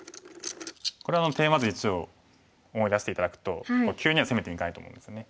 これテーマ図１を思い出して頂くと急には攻めていかないと思うんですね。